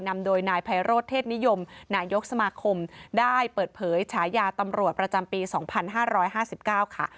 นำโดยนายไพโรธเทศนิยมนายกสมาคมได้เปิดเผยฉายาตำรวจประจำปี๒๕๕๙ค่ะ